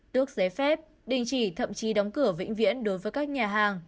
tước giấy phép đình chỉ thậm chí đóng cửa vĩnh viễn đối với các nhà hàng